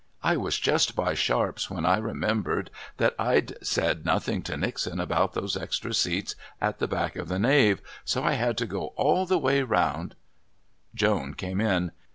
"I was just by Sharps' when I remembered that I'd said nothing to Nixon about those extra seats at the back off the nave, so I had to go all the way round " Joan came in.